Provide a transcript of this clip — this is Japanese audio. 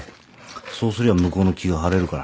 そうすりゃ向こうの気が晴れるから。